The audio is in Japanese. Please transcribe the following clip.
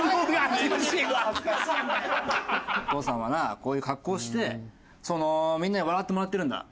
お父さんはなこういう格好をしてみんなに笑ってもらってるんだ。